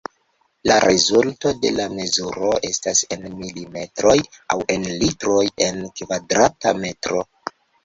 La rezulto de la mezuro estas en milimetroj aŭ en litroj en kvadrata metro.